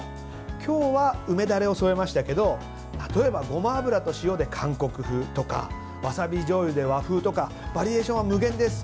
今日は、梅ダレを添えましたけど例えば、ごま油と塩で韓国風とかわさびじょうゆで和風とかバリエーションは無限です。